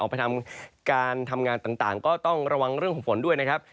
ไปทำการทำงานต่างก็ต้องระวังเรื่องของฝนด้วยนะครับ